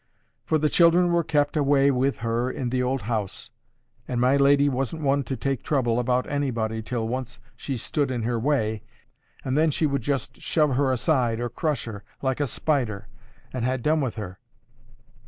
For the children were kept away with her in the old house, and my lady wasn't one to take trouble about anybody till once she stood in her way, and then she would just shove her aside or crush her like a spider, and ha' done with her.